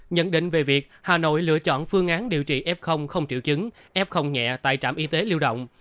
nhận định về việc hà nội lựa chọn phương án điều trị f không triệu chứng f nhẹ tại trạm y tế lưu động